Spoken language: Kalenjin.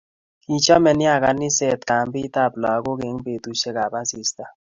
Kichome nea kaniset kambit ab lakok eng betusiek ab asista